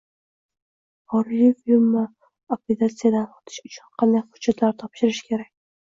Xorijiy firma akkreditatsiyadan o’tish uchun qanday hujjatlar topshirishi kerak?